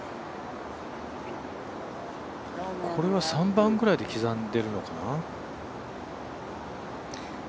これは３番ぐらいで刻んでいるのかな？